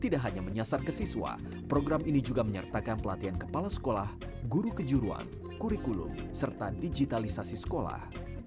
tidak hanya menyasar ke siswa program ini juga menyertakan pelatihan kepala sekolah guru kejuruan kurikulum serta digitalisasi sekolah